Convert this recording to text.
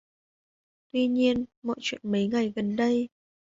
Tuy nhiên mọi chuyện mấy ngày gần đây